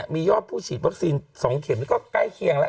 มียอดผู้ฉีดวัคซีน๒เข็มนี่ก็ใกล้เคียงแล้ว